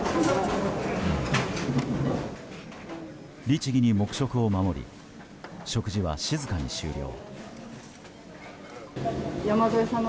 律義に黙食を守り食事は静かに終了。